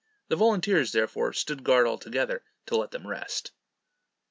The volunteers, therefore, stood guard altogether, to let them rest.